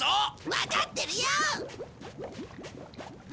わかってるよ！